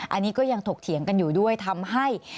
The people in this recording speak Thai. อันนี้ก็ยังถกเถียงกันอยู่ด้วยทำให้